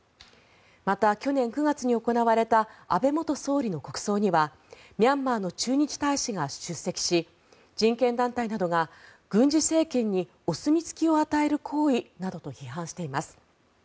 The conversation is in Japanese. また、去年９月に行われた安倍元総理の国葬にはミャンマーの駐日大使が出席し人権団体などが軍事政権にお墨付きを与える行為などと批判しています。